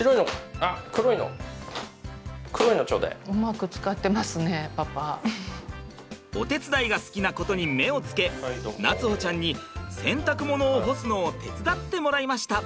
あっお手伝いが好きなことに目をつけ夏歩ちゃんに洗濯物を干すのを手伝ってもらいました。